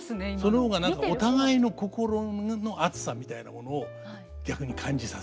その方が何かお互いの心の熱さみたいなものを逆に感じさせてくれる。